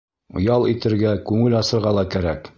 Ял итергә, күңел асырға ла кәрәк.